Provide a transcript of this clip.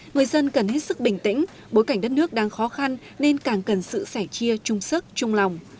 người dân cần hết sức bình tĩnh bối cảnh đất nước đang khó khăn nên càng cần sự sẻ chia trung sức trung lòng